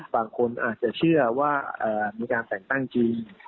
บางคนอาจจะเชื่อว่ามีการแต่งตั้งจริง